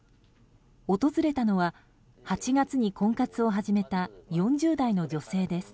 訪れたのは８月に婚活を始めた４０代の女性です。